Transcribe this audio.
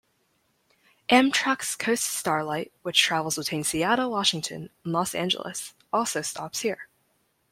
Amtrak's "Coast Starlight" which travels between Seattle, Washington and Los Angeles also stops here.